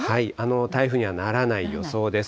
台風にはならない予想です。